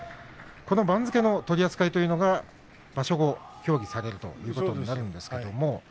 この番付の取り扱いというのが場所後、協議されるということです。